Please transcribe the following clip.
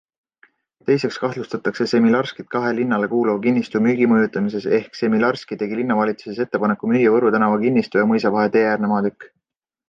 Teiseks kahtlustatakse Semilarskit kahe linnale kuuluva kinnistu müügi mõjutamises ehk Semilarski tegi linnavalitsuses ettepaneku müüa Võru tänava kinnistu ja Mõisavahe tee äärne maatükk.